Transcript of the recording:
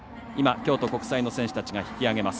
京都国際の選手たちが引き上げます。